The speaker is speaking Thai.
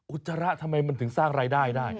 จราะทำไมมันถึงสร้างรายได้ได้